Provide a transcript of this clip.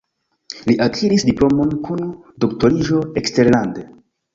Li akiris diplomon kun doktoriĝo eksterlande.